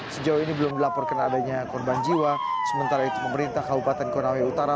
sejauh ini belum dilaporkan adanya korban jiwa sementara itu pemerintah kabupaten konawe utara